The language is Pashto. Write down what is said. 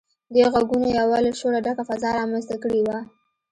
دې غږونو يوه له شوره ډکه فضا رامنځته کړې وه.